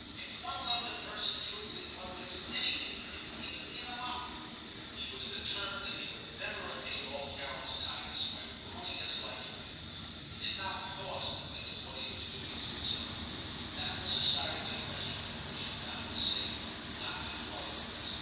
* If one loved a person truly, one would do anything for him, even give him up.' He was determined that he would never repay all Carols kindness by ruining his life for him. He did not pause to think of what he was doing to his own ; that was a side of the question on which he found it safer not to dwell at present.